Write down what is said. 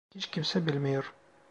Hiç kimse bilmiyor.